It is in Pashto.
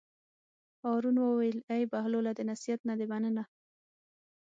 هارون وویل: ای بهلوله د نصیحت نه دې مننه.